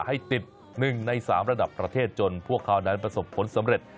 ให้ติด๑ใน๓ระดับประเทศจนพวกเขานั้นประสบผลสำเร็จ